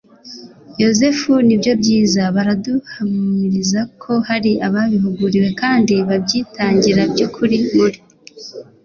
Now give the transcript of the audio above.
yozefu nibyobyiza baraduhamiriza ko hari ababihuguriwe kandi babyitangira by'ukuri muri